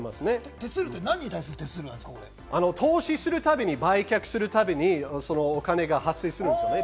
手数料って何に対する手数料投資するたびに売却するたびに、そのお金が発生します。